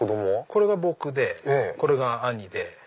これが僕でこれが兄で。